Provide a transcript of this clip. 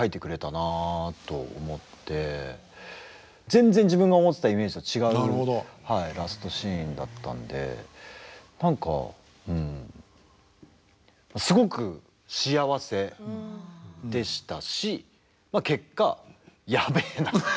全然自分が思ってたイメージとは違うラストシーンだったんで何かうんすごく幸せでしたし結果やべえな。